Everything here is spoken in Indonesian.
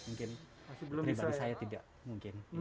mungkin pribadi saya tidak mungkin